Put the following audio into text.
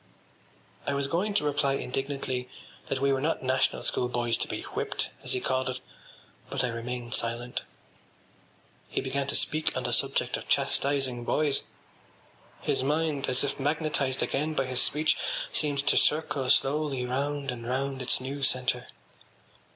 I was going to reply indignantly that we were not National School boys to be whipped, as he called it; but I remained silent. He began to speak on the subject of chastising boys. His mind, as if magnetised again by his speech, seemed to circle slowly round and round its new centre.